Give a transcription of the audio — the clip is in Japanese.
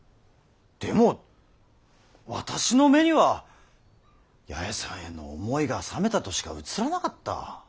でも私の目には八重さんへの思いが冷めたとしか映らなかった。